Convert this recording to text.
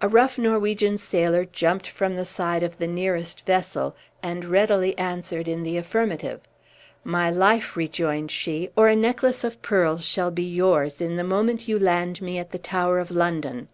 A rough Norwegian sailor jumped from the side of the nearest vessel, and readily answered in the affirmative. "My life," rejoined she, "or a necklace of pearls shall be yours, in the moment you land me at the Tower of London."